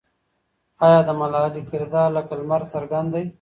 آیا د ملالۍ کردار لکه لمر څرګند دی؟